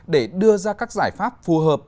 để đưa ra các giải pháp phù hợp